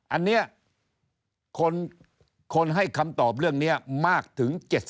อันนี้คนให้คำตอบเรื่องนี้มากถึง๗๐